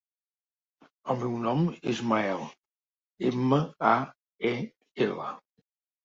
El meu nom és Mael: ema, a, e, ela.